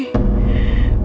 aku gak bisa menjaga dia